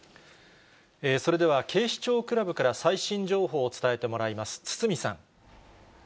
それでは警視庁クラブから最新情報を伝えてもらいます。